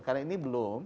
karena ini belum